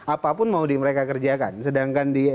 apapun mau di mereka kerjakan sedangkan di